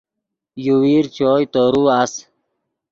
یوویر چوئے تورو اَس